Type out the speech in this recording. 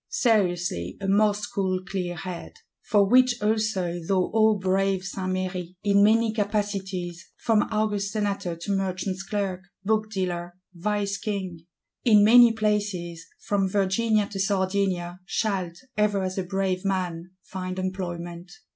Seriously, a most cool clear head;—for which also thou O brave Saint Méry, in many capacities, from august Senator to Merchant's Clerk, Book dealer, Vice King; in many places, from Virginia to Sardinia, shalt, ever as a brave man, find employment.